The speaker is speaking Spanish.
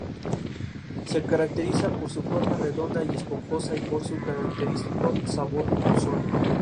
Se caracteriza por su forma redonda y esponjosa, y por su característico sabor dulzón.